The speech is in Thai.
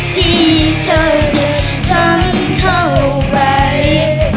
ที่เธอจะช้ำเท่าไหร่